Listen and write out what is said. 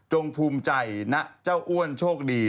ภูมิใจนะเจ้าอ้วนโชคดี